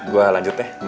gue lanjut ya